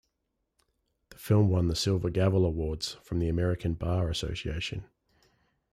The film won the Silver Gavel Awards from the American Bar Association.